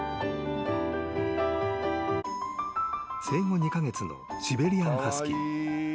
［生後２カ月のシベリアン・ハスキー］